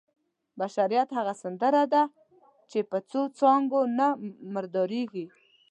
بشریت هغه سمندر دی چې په څو څاڅکو نه مردارېږي.